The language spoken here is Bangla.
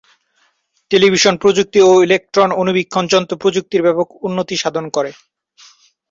টেলিভিশন প্রযুক্তি ও ইলেকট্রন অণুবীক্ষণ যন্ত্র প্রযুক্তির ব্যাপক উন্নতি সাধন করেন।